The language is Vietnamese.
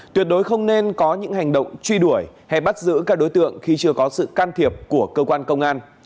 tuyệt đối không nên có những hành động truy đuổi hay bắt giữ các đối tượng khi chưa có sự can thiệp của cơ quan công an